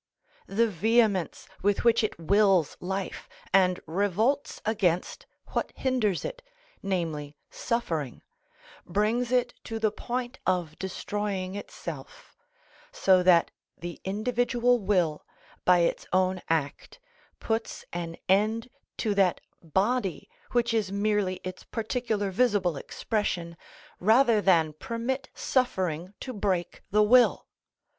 The vehemence with which it wills life, and revolts against what hinders it, namely, suffering, brings it to the point of destroying itself; so that the individual will, by its own act, puts an end to that body which is merely its particular visible expression, rather than permit suffering to break the will.